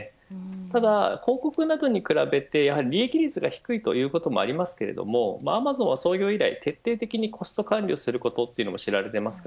ただ、広告などに比べてやはり利益率が低いということもありますけれどアマゾンは創業以来、徹底的にコスト管理をすることが知られています。